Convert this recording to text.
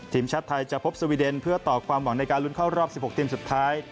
ทีมชาติไทยจะพบสวีเดนเพื่อต่อความหวังในการลุ้นเข้ารอบ๑๖ทีมสุดท้าย